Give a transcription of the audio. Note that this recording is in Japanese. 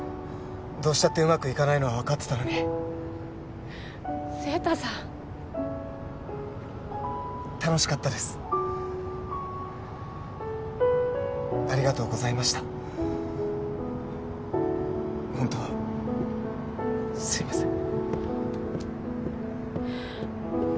どうしたってうまくいかないのは分かってたのに晴太さん楽しかったですありがとうございましたほんとすいません